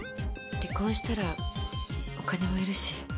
離婚したらお金も要るし。